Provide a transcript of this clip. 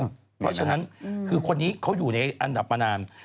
เพราะฉะนั้นคือคนนี้เขาอยู่ในอันดับมานาน